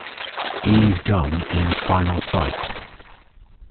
E's gum in "Final Fight".